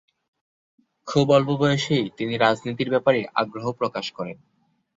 খুব অল্প বয়সেই তিনি রাজনীতির ব্যাপারে আগ্রহ প্রকাশ করেন।